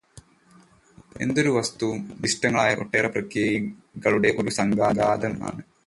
ഏതൊരു വസ്തുവും നിർദിഷ്ടങ്ങളായ ഒട്ടേറെ പ്രക്രിയകളുടെ ഒരു സംഘാതം ആണ്.